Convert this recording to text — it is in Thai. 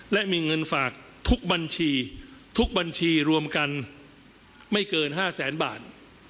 และมีเงินฝากทุกบัญชีทุกบัญชีรวมกันไม่เกิน๕แสนบาท